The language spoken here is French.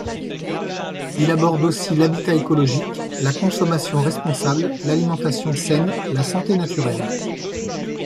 Il aborde aussi l’habitat écologique, la consommation responsable, l’alimentation saine, la santé naturelle.